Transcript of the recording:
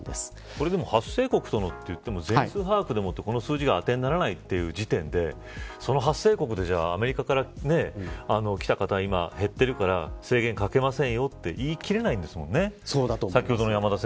これでも発生国と言っても全数把握でこの数字があてにならないという時点でその発生国って、アメリカから来た方、今減ってるから制限かけませんよって言い切れないんですもんね。